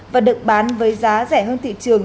và được bán với giá rẻ hơn thị trường